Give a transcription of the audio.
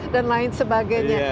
dan lain sebagainya